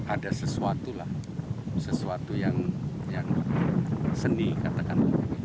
ada sesuatu lah sesuatu yang seni katakan